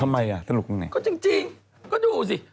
ทำไมอ่ะสรุปตรงไหนก็จริงก็ดูสิ